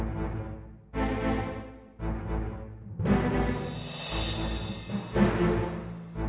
tunggu sebentar ya